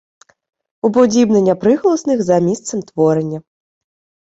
Уподібнення приголосних за місцем творення